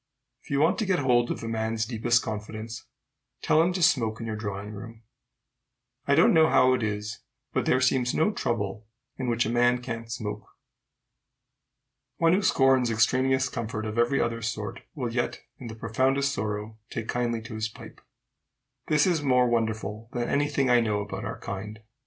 If you want to get hold of a man's deepest confidence, tell him to smoke in your drawing room. I don't know how it is, but there seems no trouble in which a man can't smoke. One who scorns extraneous comfort of every other sort, will yet, in the profoundest sorrow, take kindly to his pipe. This is more wonderful than any thing I know about our kind.